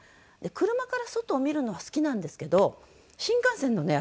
車から外を見るのは好きなんですけど新幹線のね